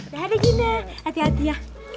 dadah gina hati hati ya